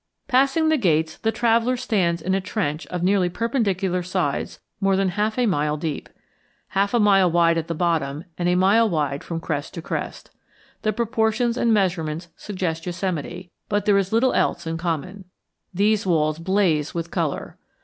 Passing the gates the traveller stands in a trench of nearly perpendicular sides more than half a mile deep, half a mile wide at the bottom, a mile wide from crest to crest. The proportions and measurements suggest Yosemite, but there is little else in common. These walls blaze with color.